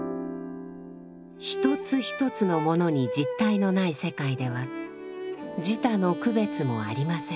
一つ一つのものに実体のない世界では自他の区別もありません。